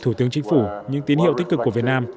thủ tướng chính phủ những tín hiệu tích cực của việt nam